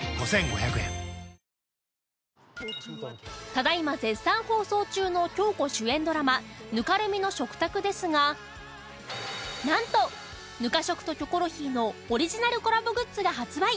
ただ今絶賛放送中の京子主演ドラマ『泥濘の食卓』ですがなんと『ぬかしょく』と『キョコロヒー』のオリジナルコラボグッズが発売！